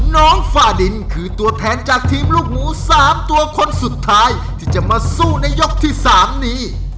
ฝ้าดินคือตัวแทนจากทีมลูกหมู๓ตัวคนสุดท้ายที่จะมาสู้ในยกที่๓นี้